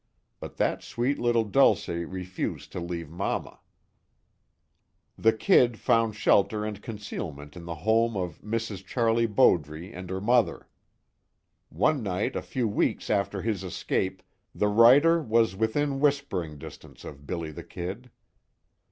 But that sweet little Dulce refused to leave mamma. The "Kid" found shelter and concealment in the home of Mrs. Charlie Bowdre and her mother. One night a few weeks after his escape, the writer was within whispering distance of "Billy the Kid."